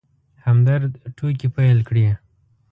همدرد ټوکې پيل کړې.